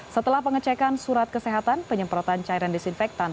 setelah pengecekan surat kesehatan penyemprotan cairan disinfektan